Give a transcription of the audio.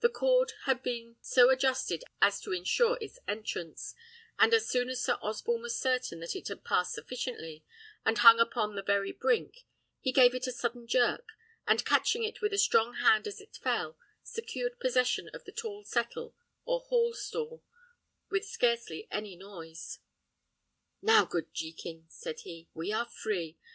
The cord had been so adjusted as to insure its entrance; and as soon as Sir Osborne was certain that it had passed sufficiently, and hung upon the very brink, he gave it a sudden jerk, and catching it with a strong hand as it fell, secured possession of the tall settle or hall stool with scarcely any noise. "Now, good Jekin," said he, "we are free.